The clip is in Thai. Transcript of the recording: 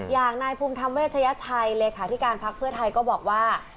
อย่างนายภูมิธรรมเวชยชัยเลขาธิการพักเพื่อไทยก็บอกว่า